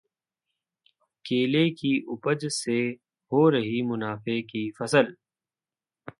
केले की उपज से हो रही मुनाफे की फसल